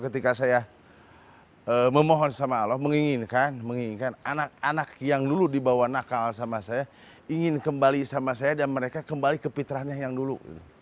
ketika saya memohon sama allah menginginkan anak anak yang dulu dibawa nakal sama saya ingin kembali sama saya dan mereka kembali ke fitrahnya yang dulu